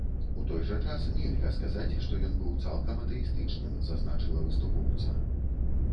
У той жа час нельга сказаць, што ён быў цалкам атэістычным, зазначыла выступоўца.